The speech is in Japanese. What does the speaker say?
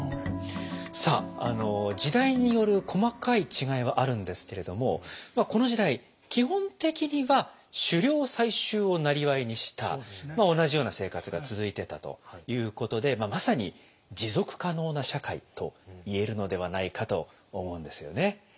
さあ時代による細かい違いはあるんですけれどもまあこの時代基本的には狩猟採集を生業にした同じような生活が続いていたということでまあまさに「持続可能な社会」と言えるのではないかと思うんですよね。